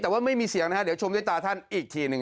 แต่ว่าไม่มีเสียงนะฮะเดี๋ยวชมด้วยตาท่านอีกทีหนึ่ง